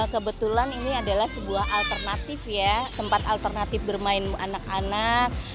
kebetulan ini adalah sebuah alternatif ya tempat alternatif bermain anak anak